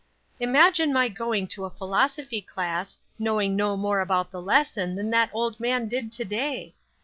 "Imagine my going to a philosophy class, knowing no more about the lesson than that old man did to day!"